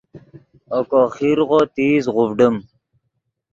اوکو خیرغو تیز غوڤڈیم